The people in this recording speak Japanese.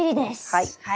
はい。